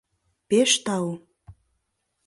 — Пеш тау!